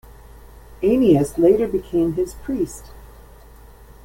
Anius later became his priest.